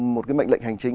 một cái mệnh lệnh hành chính